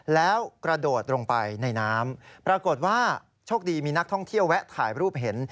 แล้วกระโดดลงไปในน้ำปรากฏว่าโชคดีมีนักท่องเที่ยวแวะถ่ายรูปเห็น